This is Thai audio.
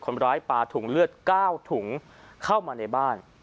คนบร้ายปลาถูงเลือด๙ถุงเข้ามาในบ้าน